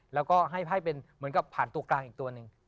แล้วก็ให้ไพ่เป็นเหมือนกับผ่านตัวกลางอีกตัวหนึ่ง